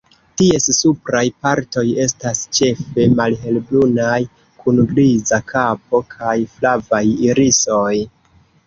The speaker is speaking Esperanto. Ties supraj partoj estas ĉefe malhelbrunaj, kun griza kapo kaj flavaj irisoj.